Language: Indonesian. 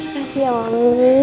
terima kasih ya mami